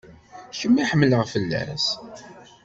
Kemm i ḥemmleɣ fell-as.